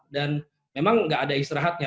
dan memang gak ada istirahatnya